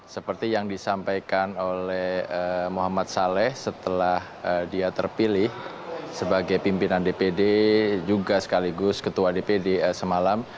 seperti yang disampaikan oleh muhammad saleh setelah dia terpilih sebagai pimpinan dpd juga sekaligus ketua dpd semalam